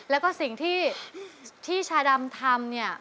แล้วก็สิ่งที่ชาดำทำเนี่ย